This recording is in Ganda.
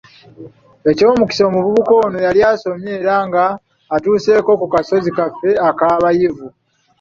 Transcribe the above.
Eky'omukisa omuvubuka ono yali asomye era nga atuuseeko ku" kasozi" kaffe akabayivu